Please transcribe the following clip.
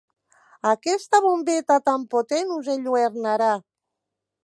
Aquesta bombeta tan potent us enlluernarà.